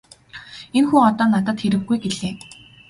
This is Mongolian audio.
Энэ хүн одоо надад хэрэггүй -гэлээ.